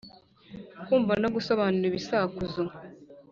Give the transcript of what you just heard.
Kumva no gusobanura ibisakuzo.